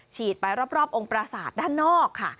ฉีดไปรอบองค์ประสาทด้านนอกค่ะ